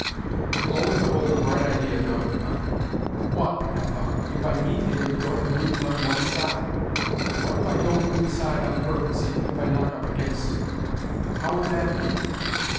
And lo and behold a bright idea dawned upon me !" What," I thought, " if I meet him and don't move on one side ? What if I don't move aside on purpose, even if I knock up against him ? How would that be